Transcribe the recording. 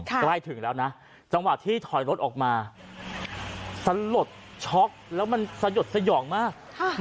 ใกล้ถึงแล้วนะจังหวะที่ถอยรถออกมาสลดช็อกแล้วมันสยดสยองมาก